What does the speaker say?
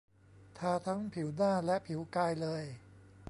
ทาทั้งผิวหน้าและผิวกายเลย